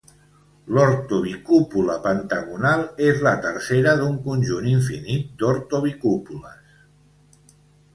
L'ortobicúpula pentagonal és la tercera d'un conjunt infinit d'ortobicúpules.